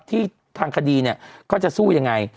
ที่ทางคดีเขาจะสู้ยังไง